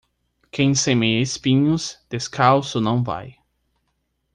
Quem semeia espinhos, descalço não vai.